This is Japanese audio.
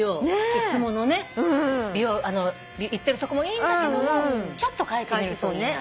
いつものね行ってるとこもいいんだけどもちょっと変えてみるといいな。